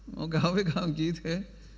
nó cao với càng trí thế